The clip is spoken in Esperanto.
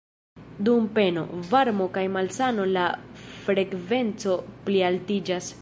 Dum peno, varmo kaj malsano la frekvenco plialtiĝas.